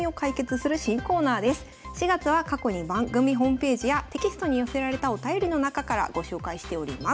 ４月は過去に番組ホームページやテキストに寄せられたお便りの中からご紹介しております。